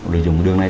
lợi dụng đường này